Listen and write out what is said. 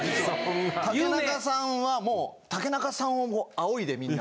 竹中さんはもう竹中さんをもう仰いでみんな。